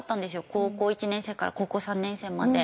高校１年生から高校３年生まで。